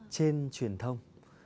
trên truyền thông